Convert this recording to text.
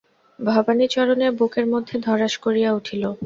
ভবানীচরণের বুকের মধ্যে ধড়াস করিয়া উঠিল।